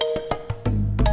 rela ninggalin anak suami keluarga